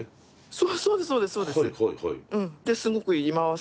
そうですそうです。